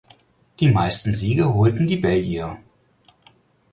Die meisten Siege holten die Belgier.